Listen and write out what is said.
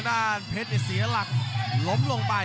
กรรมการเตือนทั้งคู่ครับ๖๖กิโลกรัม